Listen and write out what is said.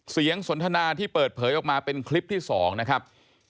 สนทนาที่เปิดเผยออกมาเป็นคลิปที่๒นะครับ